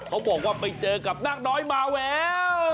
เขาบอกว่าไปเจอกับนางน้อยมาแวว